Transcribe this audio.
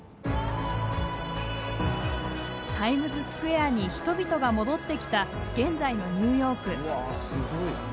タイムズスクエアに人々が戻ってきた現在のニューヨーク。